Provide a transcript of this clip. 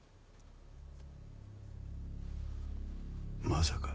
まさか。